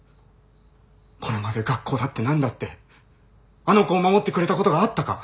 これまで学校だって何だってあの子を守ってくれたことがあったか？